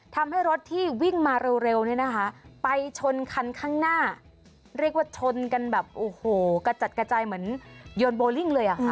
ทำให้รถที่วิ่งมาเร็วเนี่ยนะคะไปชนคันข้างหน้าเรียกว่าชนกันแบบโอ้โหกระจัดกระจายเหมือนโยนโบลิ่งเลยอ่ะค่ะ